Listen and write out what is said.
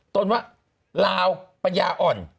ต้นว่าราวประยาอ่อน